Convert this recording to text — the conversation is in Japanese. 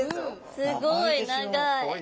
すごい長い。